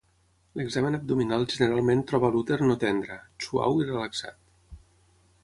L'examen abdominal generalment troba l'úter no tendra, suau i relaxat.